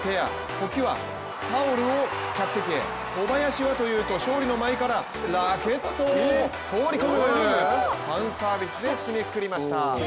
保木はタオルを客席へ、小林はというと勝利の舞からラケットを放り込むファンサービスで締めくくりました。